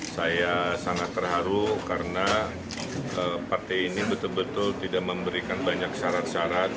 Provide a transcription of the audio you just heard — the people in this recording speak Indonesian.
saya sangat terharu karena partai ini betul betul tidak memberikan banyak syarat syarat